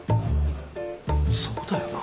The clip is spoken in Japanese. そうだよな。